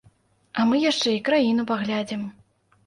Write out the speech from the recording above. А мы яшчэ і краіну паглядзім!